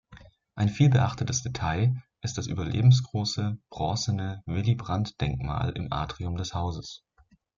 Ein vielbeachtetes Detail ist das überlebensgroße bronzene Willy-Brandt-Denkmal im Atrium des Hauses.